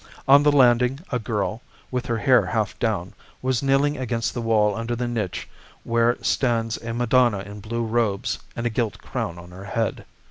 On the landing a girl, with her hair half down, was kneeling against the wall under the niche where stands a Madonna in blue robes and a gilt crown on her head.